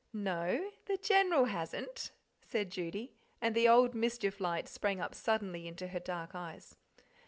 "No, the General hasn't," said Judy and the old mischief light sprang up suddenly into her dark eyes.